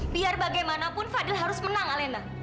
biar bagaimanapun fadil harus menang alenda